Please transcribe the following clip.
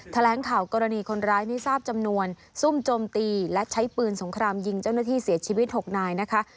แถลงข่าวกรณีคนร้ายไม่ทราบจำนวนซุ่มโจมตีและใช้ปืนสงครามยิงเจ้าหน้าที่เสียชีวิต๖นายนะคะ